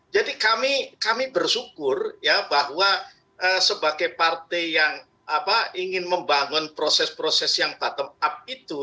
jadi kami bersyukur bahwa sebagai partai yang ingin membangun proses proses yang bottom up